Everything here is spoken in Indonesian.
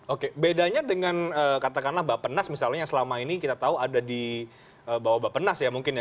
oke bedanya dengan katakanlah bapak nas misalnya selama ini kita tahu ada di bawah bapak nas ya mungkin ya